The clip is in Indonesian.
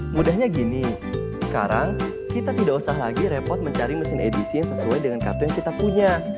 mudahnya gini sekarang kita tidak usah lagi repot mencari mesin edisi yang sesuai dengan kartu yang kita punya